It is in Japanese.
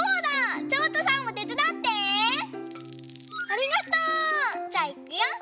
ありがとう！じゃあいくよ。